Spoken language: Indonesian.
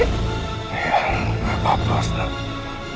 iya tidak apa apa aslan